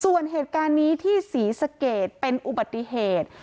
ส่วนเหตุการณ์นี้ที่ศรีสะเกดเป็นอุบัติเหตุ